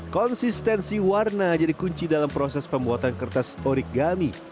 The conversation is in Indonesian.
konsistensi warna jadi kunci dalam proses pembuatan kertas origami